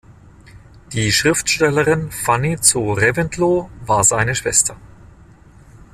Die Schriftstellerin Fanny zu Reventlow war seine Schwester.